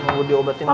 mau diobatin gua